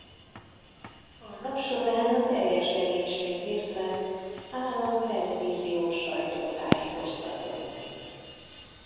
A nap során a teljes legénység részt vett három televíziós sajtótájékoztatón.